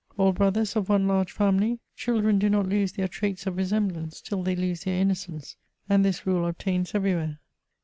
All brothers, of <me large family, children vdo not lose their traits of resemblance till they lose. their innocence, and this rule obtains everywhere.